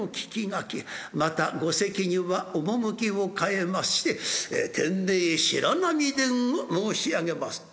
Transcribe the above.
また後席には趣を変えまして『天明白浪伝』を申し上げます」。